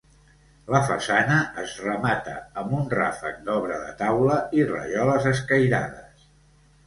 La façana es remata amb un ràfec d'obra de taula i rajoles escairades.